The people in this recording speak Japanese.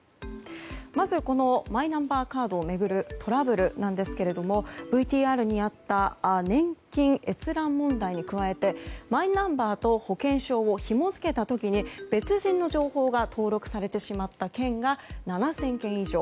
まず、マイナンバーカードを巡るトラブルですがＶＴＲにあった年金閲覧問題に加えてマイナンバーと保険証をひも付けた時に別人の情報が登録されてしまった件が７０００件以上。